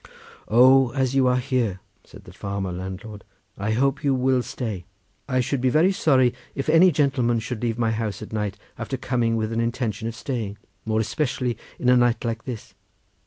"O, as you are here," said the farmer landlord, "I hope you will stay. I should be very sorry if any gentleman should leave my house at night after coming with an intention of staying, more especially in a night like this.